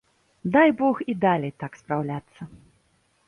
Дай бог і далей так спраўляцца!